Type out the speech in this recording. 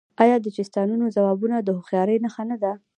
آیا د چیستانونو ځوابول د هوښیارۍ نښه نه ده؟